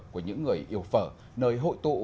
của những người yêu phở nơi hội tụ